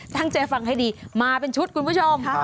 ตั้งใจฟังให้ดีมาเป็นชุดคุณผู้ชม